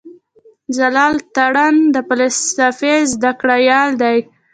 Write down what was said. جلال تارڼ د فلسفې زده کړيال دی.